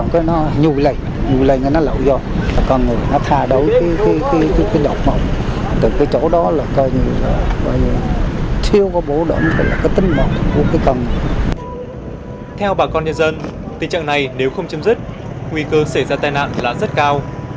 theo bà con nhân dân tình trạng này nếu không chấm dứt nguy cơ xảy ra tai nạn là rất cao